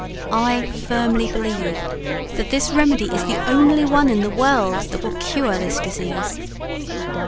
I firmly believe that this remedy is the only one in the world that will cure this disease.